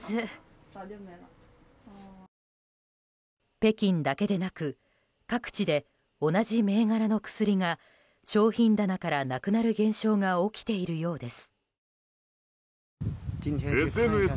北京だけでなく各地で同じ銘柄の薬が商品棚からなくなる現象が起きているようです。